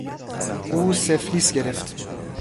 او سفلیس گرفت.